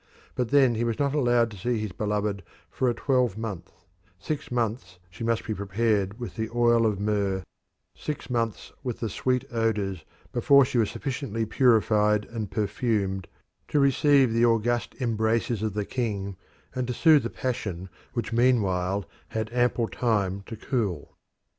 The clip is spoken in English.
But then he was not allowed to see his beloved for a twelve month: six months she must be prepared with the oil of myrrh, six months with the sweet odours, before she was sufficiently purified and perfumed to receive the august embraces of the king, and to soothe a passion which meanwhile had ample time to cool.